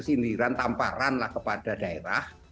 sindiran tamparanlah kepada daerah